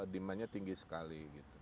demandnya tinggi sekali